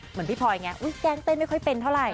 พี่พลอยไงแกล้งเต้นไม่ค่อยเป็นเท่าไหร่